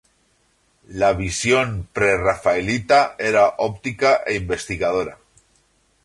La visión prerrafaelita era óptica e investigadora.